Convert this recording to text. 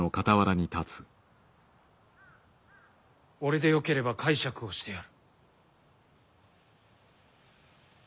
俺でよければ介錯をしてやる。